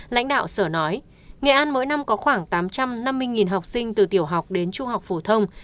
lãnh đạo sở nói nghệ an mỗi năm có khoảng tám trăm năm mươi học sinh từ tiểu học đến trung học phổ thông